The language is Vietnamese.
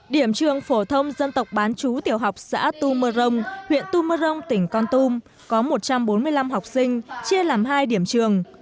điểm trường phổ thông dân tộc bán chú tiểu học xã tù mơ rông huyện tù mơ rông tỉnh con tùm có một trăm bốn mươi năm học sinh chia làm hai điểm trường